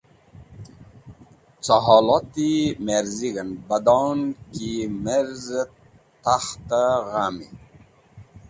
Cẽ holot-e merzig̃h en badon ki merz et t̃akh et ghamgin.